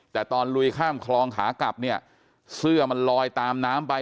แต่ตอนลุยข้ามคลองขากลับเนี่ยเสื้อมันลอยตามน้ำไป